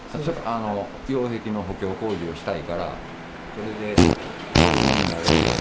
擁壁の補強工事をしたいから、それで騒音になるんで。